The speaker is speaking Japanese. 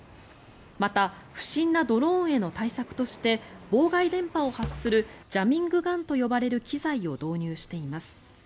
また、不審なドローンへの対策として妨害電波を発するジャミングガンと呼ばれる機材を導入しています。